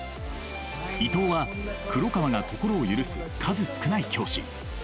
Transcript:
伊藤は黒川が心を許す数少ない教師。